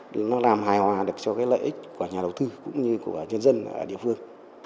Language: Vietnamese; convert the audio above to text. để nó làm hài hòa được cho cái lợi ích của nhà đầu tư cũng như của nhân dân ở địa phương